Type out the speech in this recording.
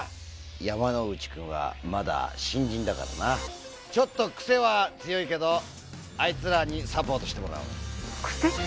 山之内くんはまだ新人だからなちょっとクセは強いけどあいつらにサポートしてもらおうクセ？